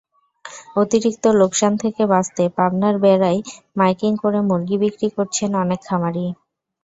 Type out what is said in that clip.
অতিরিক্ত লোকসান থেকে বাঁচতে পাবনার বেড়ায় মাইকিং করে মুরগি বিক্রি করছেন অনেক খামারি।